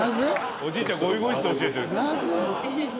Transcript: おじいちゃん「ゴイゴイスー」教えてる。